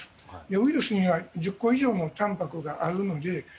ウイルスには１０個以上もたんぱくがある。